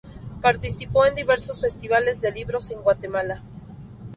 Participó en diversos festivales de libros en Guatemala.